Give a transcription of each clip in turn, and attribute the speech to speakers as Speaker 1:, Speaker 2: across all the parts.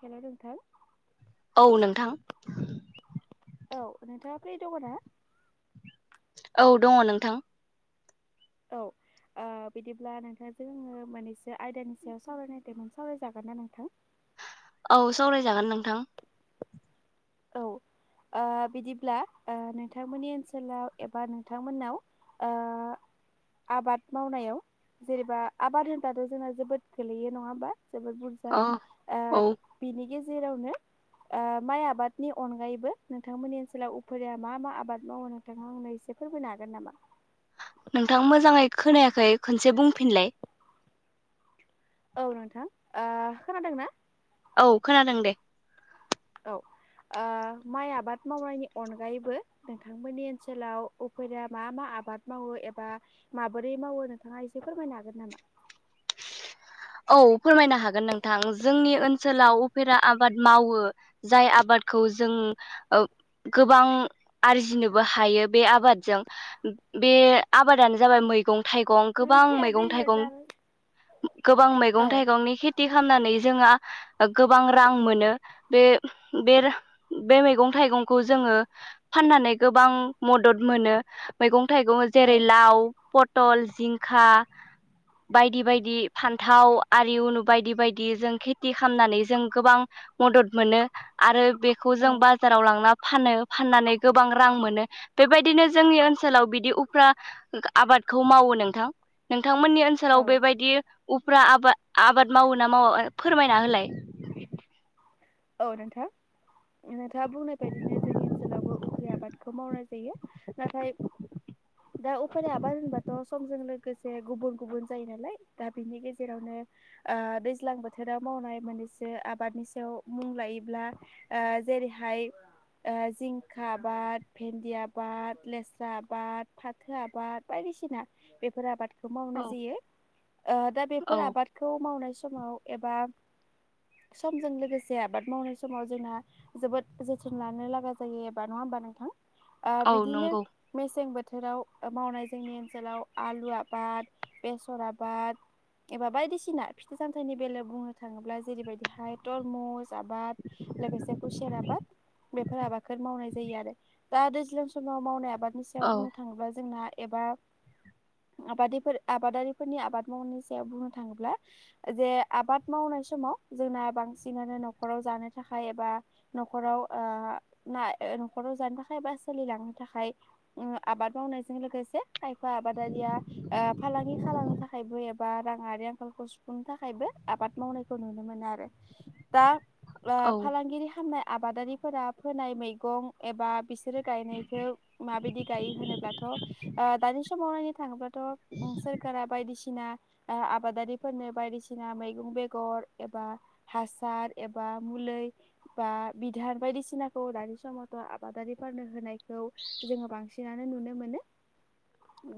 Speaker 1: हेल' दोंथां
Speaker 2: औ नोंथां
Speaker 1: औ नोंथाङा फै दङना?
Speaker 2: औ दङ नोंथां
Speaker 1: औ। बिदिब्ला नोंथांजोंङो मोननसे आयदानि सायाव सावरायनाय थमोन सावरायजागोन ना नोंथां। [inaudible]
Speaker 2: औ सावरायजागोन नोंथां।
Speaker 1: औ बिदिब्ला नोंथांमोननि ओनसोलाव एबा नोंथांमोननाव आ आबाद मावनायाव जेनेबा आबाद होनबाथ' जोंना जोबोद गोलैयो नङा होमबा जबोोर बुरजा
Speaker 2: औ औ
Speaker 1: बिनि गेजेरावनो माइ आबाद नि अनगायैबो नोंथांमोननि ओनसोलाव उफुरया मा मा आबाद मावो नोंथांनो एसेफोरबो नागोन नामा?
Speaker 2: नोंथां मोजाङै खोनायाखै खनसे बुंफिनलाय
Speaker 1: औ नोंथां खोनादोंना?
Speaker 2: औ खोनादों दे।
Speaker 1: औ। माइ आबाद मावनायनि अनगायैबो नोंथांमोननि ओनसोलाव उफैदया मा मा? आबाद मावो एबा माबोरै मावो नोंथाङा एसे फोरमायनो हागोन नामा?
Speaker 2: औ फोरमायनो हागोन नोंथां जोंनि ओनसोलाव उफेरा आबाद मावो जाय आबाद खौ जों गोबां आरजिनोबो हायो बे आबादजों बे आबादानो जाबाय मैगं थाइगं गोबां मैगं थाइगं गोबां
Speaker 1: औ
Speaker 2: मैगं थाइगंनि खेथि खालामनानै जोंहा गोबां रां मोनो बे मैगं थाइगं। ज फाननानै थाइगङ
Speaker 1: औ
Speaker 2: जेरै लाव पटल जिंखा बायदि बायदि फान्थाव आरि उनु बायदि बायदि जों खेथि खालामनानै जों गोबां मदद मोनो आरो बेखौ जों बाजाराव लांना फानो फाननानै गोबां रां मोनो बेबायदिनो जोंनि ओनसोलाव बिदि उफ्रा आबाद खौ मावो नोंथां नोंथांमोननि
Speaker 1: औ
Speaker 2: ओनसोलाव बेबायदि। उफ्रा आबाद आबाद मावो ना मावा फोरमायना होलाय
Speaker 1: औ नोंथां। नोंथाङा बुंनाय बायदिनो जोंनि ओनसोलावबो उखै आबादखौ मावनाय जायो नाथाय दा उफान आबाद होनबाथ' समजों लोगोसे गुबुन गुबुन जायो नालाय दा बिनि गेजेरावनो दैज्लां बोथोराव मावनाय मोननैसो आबादनि सायाव मुं लायोब्ला जेरैहाय जिंखा आबाद भेन्दि आबाद लेस्रा आबाद फाथो आबाद बाय बायदिसिना बेफोर आबादखौ मावनाय
Speaker 2: औ
Speaker 1: जायो दा बेफोर
Speaker 2: औ
Speaker 1: आबादखौ मावनाय समाव एबा समजों लोगोसे जे आबाद मावनाय समाव जोंहा जोबोद जोथोन लानो लागा जायो एबा नङा होमबा नोंथां। ओ
Speaker 2: औ
Speaker 1: बिदिनो
Speaker 2: नंगौ
Speaker 1: मेसें बोथोराव बोथोराव मावनाय जोंनि ओनसोलाव आलु आबाद बेसर आबाद एबा बायदिसिना फिथाइ सामथाइनि बेलायाव बुंनो थाङोब्ला जेरैबायदिहाय तरमुस आबाद लोगोसे खुसेर आबाद बेफोर आबादफोर मावनाय जायो आरो। दा दैज्लां समाव मावनाय आबादनि सायाव
Speaker 2: औ
Speaker 1: बुंनो थाङोब्ला जोंना एबा आबादिफोर आबादारिफोरनि आबाद मावनायनि सायाव बुंनो थाङोब्ला जे आबाद मावनो समाव जोंना बांसिनानो न नखराव जानो थाखाय एबा न'खराव ओ ना न'खराव जानो थाखाय एबा सोलिलां थाखाय उम आबाद मावनायजों लोगोसे खायफा आबादारिया ओ फालांगि खालामनो थाखायबो बा राङारि आंखालखौ सुफुंनो थाखायबो आबाद मावनायखौ नुनो मोनो आरो दा बा
Speaker 2: औ
Speaker 1: फालांगिरि खालामनाय आब आबादारिफोरा फोनाय मैगं एबा बिसोरो गायनायखौ माबायदि गायो होनोब्लाथ' दानि समाव नायनो थाङोब्लाथ' सोरखारा बायदिसि दिसिना ओ आबादारिफोरनो बायदिसिना मैगं बेगर एबा हासार एबा मुलै बा बिधार बायदिसिनाखौ दानि समावथ' आबादारिफोरनो होनायखौ खौ जोङो बांसिनानो नुनो मोनो।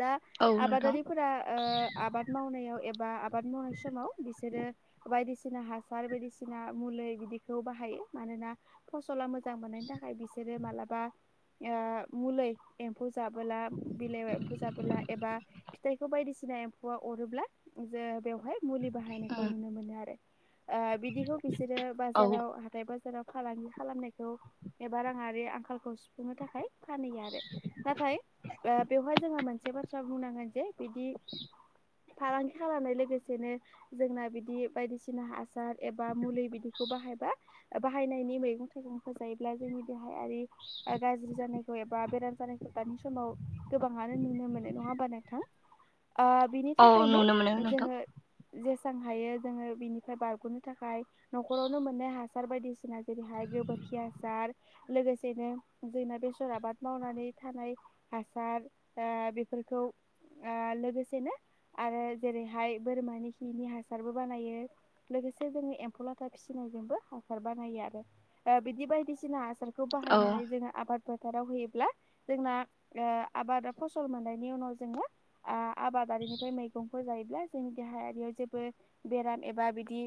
Speaker 1: दा
Speaker 2: औ नोंथां
Speaker 1: आबादारिफोरा ओ आबाद मावनायाव एबा आबाद मावनाय समाव बिसोरो बायदिसिना हासार बायदिसिना मुलै बिदिखौ बाहायो। मानोना फसला मोजां मोजां मोननायनि थाखाय बिसोरो ओ मालाबा मुलै एम्फौ जाबोला बिलाइ एम्फौ जाबोला एबा फिथाइखौ बायदिसि सिना एम्फौआ अरोब्ला जो बेवहाय मुलि बाहायनायखौ नुनो मोनो आरो। ो बिसोरो
Speaker 2: औ
Speaker 1: बाजाराव हाथाय बाजाराव फालांगि खालामनायखौ एबा राङारि आंखालखौ सुफुंनो थाखाय फानैहयो आरो नाथाय बेवहाय जोंहा मोनसे बाथ्रा बुंनांगोन जे बिदि फालांगि खालामनाय लोगोसेनो जोंना बिदि बायदिसिना हासार एबा मुलि बिदिखौ बाहायबा बाहायनायनि मैगं थाइगंफोरो जायोब्ला जोंनि देहायारि गाज्रि जानायखौ एबा बेराम जानायखौ दानि समाव गोबाङानो नुनो मोननाय नङा होमबा नोंथां। ओ बिनि
Speaker 2: औ
Speaker 1: थाखायनो
Speaker 2: नुनो मोनो नोंथां
Speaker 1: जोङो जेसां हायो जोङो बिनिफ्राय बारग'नो थाखाय न'खरावनो मोननाय हासार बायदिसिना जेरैहाय गोबोरखि हासार लोगोसेनो जैमा बेसर आबाद मावनानै थानाय हासार ओ बेफोरखौ ओ लोगोसेनो आरो जेरैहाय बोरमानि खिनि हासारबो बानायो लोगोस से जोंनि एमफौ लाथा फिसिनायजोंबो हासार बानायो आरो ओ बिदि बायदिसिना हासार खौ
Speaker 2: औ
Speaker 1: बाहायनानै जोङो आबाद फोथाराव होयोब्ला जोंना ओ आबादा फसल मोननायनि उनाव जोङो आ आबादारिनिफ्राय मैगंफोर जायोब्ला जोंनि देहायारियाव जेबो बेराम एबा बिदि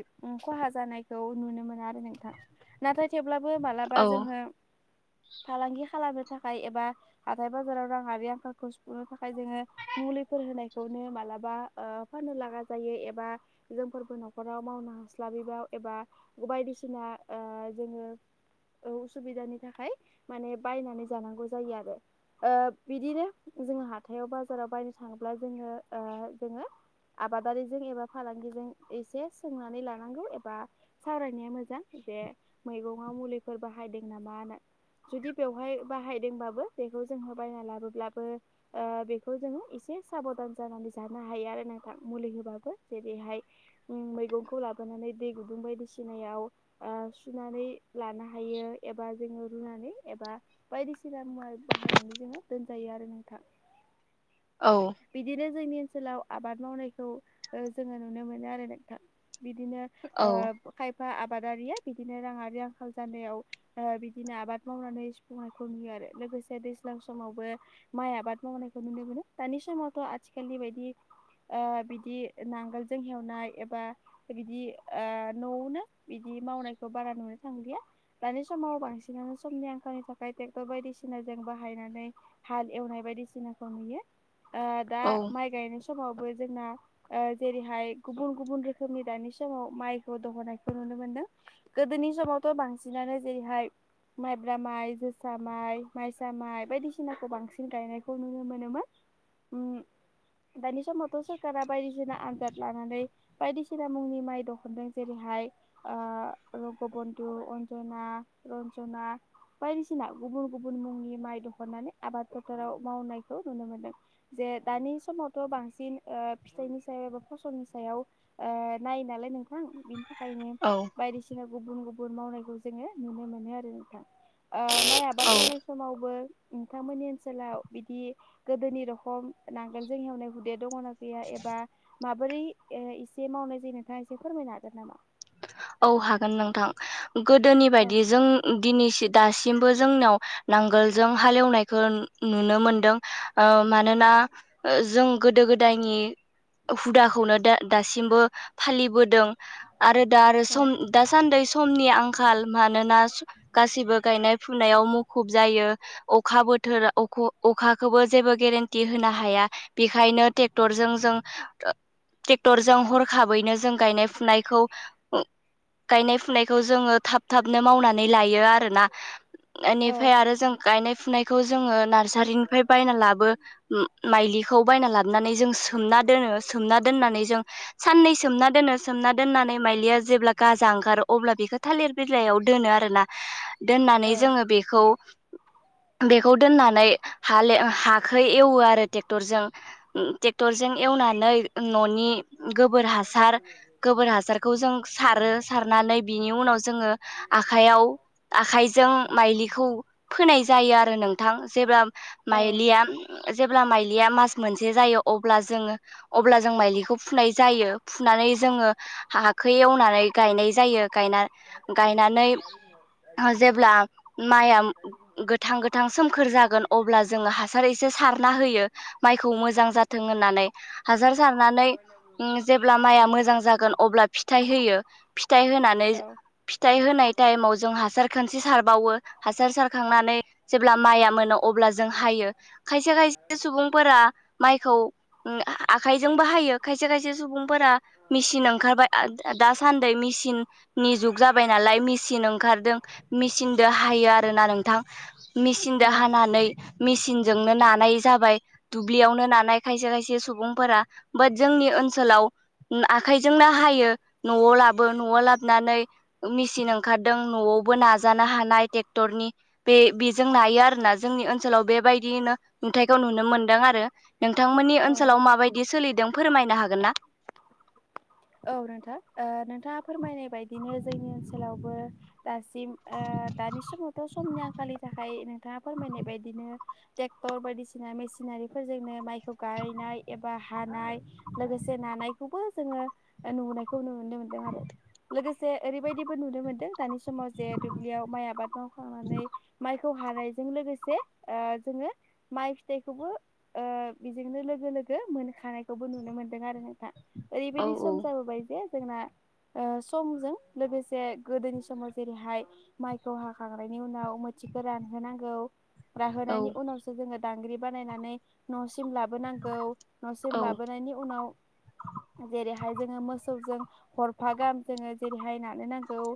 Speaker 1: खहा जानायखौ नुनो मोना आरो नोंथां। नाथाय थेवब्लाबो
Speaker 2: औ
Speaker 1: मालाबा जोङो फालांगि खालामनो थाखाय एबा हाथाय बाजाराव राङारि आंखालखौ सुफुंनो थाखाय जोङो मुलिफोर होनायखौनो मालाबा ओ फाननो लागा जायो एबा जोंफोरबो न'खराव मावनो हा हास्लाबिबाव एबा बायदिसिना ओ जोङो औसुबिदानि थाखाय माने बायनानै जानांगौ जायो आरो ओ बिदिनो जोङो हाथायाव बाजाराव बायनो थाङोब्ला जोङो ओ जोङो आबादारिजों एबा फालांगिजों एसे सोंनानै लाङो नांगौ एबा सावरायनाया मोजां बे मैगंआव मुलिफोर बाहायदों नामा होननानै जुदि बेवहाय बाहायदोंबाबो बेखौ जोङो बायना लाबोब्लाबो बेखौ जोङो एसे एसे साबदान जानानै जानो हायो आरो नोंथां मुलि होबाबो जेरैहाय उम मैगंखौ लाबो सोनानै दै गुदुं बायदिसिनायाव सुनानै लानो हायो एबा जोङो रुनानै नै एबा बायदिसिना मुवा बाहायनानै जोङो दोनजायो आरो नोंथां
Speaker 2: औ
Speaker 1: बिदिनो जोंनि ओनसोलाव आबाद मावनायखौ ओ जोङो नुनो मोनो आरो नोंथां बिदिनो
Speaker 2: औ
Speaker 1: ओब खायफा आब आबादारिया बिदिनो राङारि आंखाल जानायाव ओ बिदिनो आबाद मावनानै सुफुंनायखौ नुयो आरो लोग गसे दैज्लां समावबो माइ आबाद मावनायखौ नुनो मोनो दानि समावथ' आथिखालनि बायदि ओ बिदि नांगोलजों हेवनाय एबा बिदि ओ न'वनो बिदि मावनायखौ बारा नुनो थांलिया दानि समाव बांसि सिनानो समनि आंखालनि थाखाय ट्रेक्टर बायदिसिनाजों बाहायनानै हाल एवनाय बायदिसिनाखौ नुयो ओ दा
Speaker 2: औ
Speaker 1: माइ गायनाय समावबो जोंङा जेरैहाय गुबुन गुबुन रोखोम खोमनि दानि समाव माइखौ दहनायखौ नुनो मोनदों गोदोनि समावथ' बांसिनानो जेरैहाय माइब्रा माइ जोसा माइ माइसा माइ बायदिसिनाखौ बांसिन गायनायखौ नुनो मोनोमोन ओम दानि समावथ' सोरखारा बायदिसिना आजाद लानानै बायदिसिना मुंनि माइ दहनदों जेरैहाय ओ रगबन्दु अन्जना रन्जना बायदिसिना गुबुन गुबुन मुंनि माइ दह'नानै आबाद फोथाराव मावनायखौ नुनो मोनदों जे ए दानि समावथ' बांसिन फिथाइनि सायाव एबा फसलनि सायाव ओ नायो नालाय नोंथां बिनि थाखायनो
Speaker 2: औ
Speaker 1: बायदिसिना गुबुन गुब बुन मावनायखौ जोङो नुनो मोनो आरो नोंथां ओ माइ आबाद
Speaker 2: औ
Speaker 1: मावनाय समावबो नोंथांमोननि ओनसोलाव बिदि गोदोनि रखम नांगोलजों हेवनाय हुदाया दङ नाम गैया एबा माबोरै ए इसे मावनाय जायो नोंथाङा इसे फोरमायनो हागोन नामा
Speaker 2: औ हागोन नोंथां गोदोनि
Speaker 1: औ
Speaker 2: बायदि जों ओ दिनैसि दासिमबो जोंनाव नांगोलजों हालेवनायखो नुनो मोनदों मानोना ओ जों गोदो गोदायनि हुदाखौनो दा दासिमबो फालिबोदों आरो दा आरो
Speaker 1: औ
Speaker 2: सम दासान्दै समनि आं खाल मानोना गासिबो गायनाय फुनायाव मुखुब जायो अखा बोथोर अख अ अखाखोबो जेबो गेरेन्टि होनो हाया बिखायनो ट्रेक्टरजों जों ट्रेक्टरजों हरखाबैनो जों गायनाय फुनायखौ ओम गायनाय फुनायखौ जोङो थाब थाबनो मावनानै लायो आरोना
Speaker 1: औ
Speaker 2: ओनिफाय आरो जों गायनाय फुनाय खौ जोङो नार सारिनिफ्राय बायना लाबो माइलिखौ बायना लाबनानै जों सोमना दोनो सोमोनना दोननान नै जों साननै सोमना दोनो सोमना दोननानै माइलिया जेब्ला गाजा ओंखारो अब्ला बेखो थालिर बिलाइयाव दोनो आरोना दोननानै जोङो बेखौ
Speaker 1: [inaudible]
Speaker 2: बेखौ दोननानै हाल हाखो एवो आरो टेक्टरजों ओम टेक क्टरजों एवनानै न'नि गोबोर हासार गोबोर हासार सारो सारनानै बिनि उनाव जोङो आखायाव आखाइजों माइलिखौ फोनाय जायोआरो नोंथां जेब्ला
Speaker 1: औ
Speaker 2: माइलिया जेब्ला माइलिया मास मोनसे जायो अब्ला जोङो अब्ला जों माइलिखौ फुनाय जायो फुनानै जोङो हाखो एवनानै गायनाय जायो गायना गायनानै जेब्ला माइया गोथां गोथां सोमखोर जागोन अब्ला जोङो हासार एसे सारना होयो माइखौ मोजां जाथों होननानै हासार सारनानै उम जेब्ला माइ माइआ मोजां जागोन अब्ला फिथाइ होयो फिथाइ होनानै
Speaker 1: औ
Speaker 2: फिथाइ होनाय टाइमाव जों हासार खोनसे सारबावो हासार सारखांनानै जेब्ला माइया मोनो अब्ला जों हाय यो खायसे खायसे सुबुंफोरा माइखौ उम आखाइजोंबो हायो खायसे खायसे सुबुंफोरा मिसिनों ओंखारबाय आद दासान्दै मिसिन नि जुग जाबाय नालाय मिसिन ओंखारदों मिसिन हायो आरोना नोंथां मिसिनदो
Speaker 1: औ
Speaker 2: हानानै मिसिनजोंनो नाद नाय जाबाय दुब्लियावनो नानाय खायसे खायसे सुबुंफोरा बाद जोंनि ओनसोलाव उ आखाय जोंनो हायो न'आव लाबो न'आव लाबनानै मिसिन ओंखारदों न'आवबो नाजाना हानाय ट्रेक्टरनि बे बेजों नायो आरोना जोंनि ओनसोलाव बेबायदियैनो नुथायखौ नुनो मोन - मोनदों आरो नोंथांमोननि
Speaker 1: औ
Speaker 2: ओनसोलाव माबायदि सोलिदों फोरमायनो हागोन ना?
Speaker 1: औ नोंथां ओ नोंथाङा फोरमायनाय बायदिनो जोंनि ओनसोलावबो दासिम ओ दानि समावथ' समनि आंखालनि थाखाय नोंथाङा फोरमायनाय बायदिनो ट्रेक्टर बायदिसिना मेसिनारिफोरजोंनो माइखौ गायनाय एबा हा हानाय लोगोसे नानायखौबो जोङो ओ नुुबनायखौ नुनो मोनदों आरो लोगोसे ओरैबायदिबो नुनो मोन्दों दानि समाव जे दुब्लियाव माइ आबाद मावखांनानै माइखौ हानायजों लोगोसे ओ जोङो माइ फिथाइखौबो ओ बिदिनो लोगो लोगो मोनखानायखौबो नुनो मोनदों आरो नोंथां
Speaker 2: औ
Speaker 1: ओरैबायदि सम जाबोबाय जे जोंना ओ समजों लोगोसे गोदोनि समाव जेरैहाय माइखौ हाखांनायनि उनाव मो मोथिखौ रानहोनांगौ
Speaker 2: औ
Speaker 1: राहोनायनि उनावसो जोङो दांग्रि बानायनानै नस सिम लाबो नांगौ
Speaker 2: औ
Speaker 1: न'सिम लाबोननि उनाव जेरै मोसौजों हरफा गाहाम जोङो जेरैहाय नानो नांगौ ओ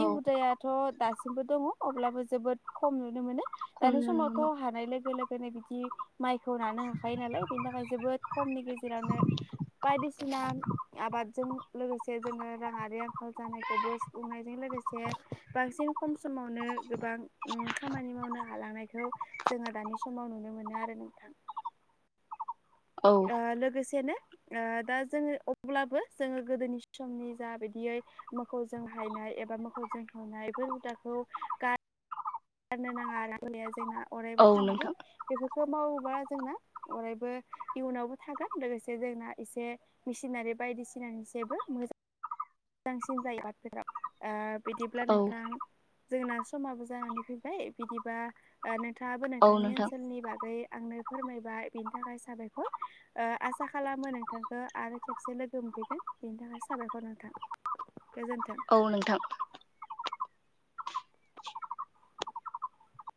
Speaker 2: औ
Speaker 1: हुदायाथ' दासिमबो दङ अब्लाबो जोबोद खम नुनो मोनो।
Speaker 2: खम
Speaker 1: दानि
Speaker 2: नुनो
Speaker 1: समावथ'
Speaker 2: मोनो
Speaker 1: हानाय लोगो लोगोनो बिदि माइखौ नानो हाखायो नालाय बेनि थाखाय जोबोद खमनि गेजेरावनो बायदिस बायदिसिना आबादजों लोगोसे जोङो राङारि आंखाल जानायखौबो सफुंनायजों लोगोसे बांसिन खम समावनो गोबां उ खामानि मावनो हालांनायखौ जोङो दानि समाव नुनो मोनो आरो नोंथां।
Speaker 2: औ
Speaker 1: ओ लोगोसे नो ओ दा जोङो अब्लाबो जोङो गोदोनि समनि जा बिदियै मोखौ जों हायनाय एबा मोखौजों खावनाय बेफोर हुदाखौ गा गारनो नाङा आरो गुलिया जोंना अरायबो
Speaker 2: औ
Speaker 1: थानांगौ
Speaker 2: नोंथां
Speaker 1: बेफोरखौ मावोबा जोंना अरायबो इयुनावबो थागोन लोगोसे जोंना एसे मेसिनारि बायदिसिना जेबो मोज मोजांसिन जायो बा [unintelligible] राव ओ बिदिब्ला
Speaker 2: औ
Speaker 1: नोंथां जोंना समाबो जानानै फैबाय बिदिबा ओ नोंथाङाबो
Speaker 2: औ
Speaker 1: नोंथांनि
Speaker 2: नोंथां
Speaker 1: ओनसोलनि बागै आंनो फोरमायबाय बिनि थाखाय साबायखर ओ आसा खालामो नोंथांखौ आरो खेबसे लोगो मोन थाफैगोन बेनि थाखाय साबायखर नोंथां। गोजोन्थों।
Speaker 2: औ नोंथां।